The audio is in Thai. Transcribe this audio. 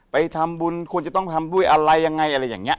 ไปทำบุญควรจะต้องทำด้วยอะไรยังไงอะไรอย่างนี้